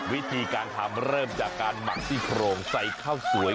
วิธีการทำเริ่มจากการหมักซี่โครงใส่ข้าวสวย